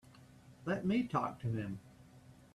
Let me talk to him.